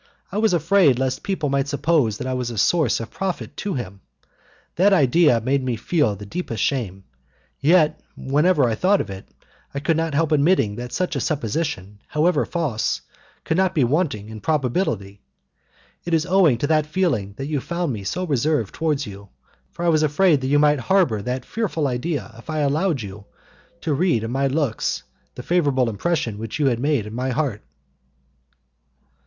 I was afraid lest people might suppose that I was a source of profit to him. That idea made me feel the deepest shame, yet, whenever I thought of it, I could not help admitting that such a supposition, however false, was not wanting in probability. It is owing to that feeling that you found me so reserved towards you, for I was afraid that you might harbour that fearful idea if I allowed, you to read in my looks the favourable impression which you had made on my heart."